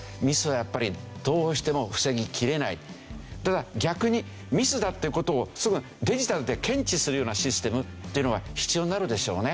結局ただ逆にミスだっていう事をすぐデジタルで検知するようなシステムっていうのが必要になるでしょうね。